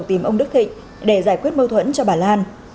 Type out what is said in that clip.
tìm ông đức thịnh để giải quyết mâu thuẫn cho bà lan